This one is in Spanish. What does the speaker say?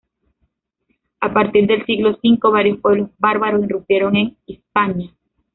A partir del siglo V varios pueblos bárbaros irrumpieron en Hispania.